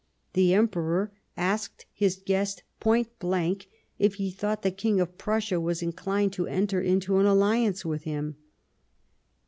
The Em peror asked his guest point blank if he thought the King of Prussia was inclined to enter into an alliance with him.